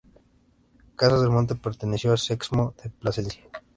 Casas del Monte perteneció al Sexmo de Plasencia.